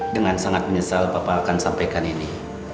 dengan sangat menyesal bapak akan sampaikan ini